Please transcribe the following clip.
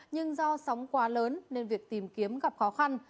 nhưng do sóng quá lớn nên việc tìm kiếm gặp khó khăn